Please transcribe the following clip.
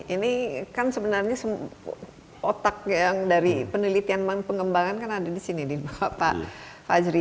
ini kan sebenarnya otak yang dari penelitian pengembangan kan ada di sini pak fajri